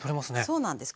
そうなんです。